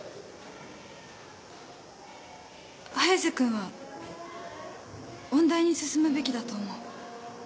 早瀬君は音大に進むべきだと思う。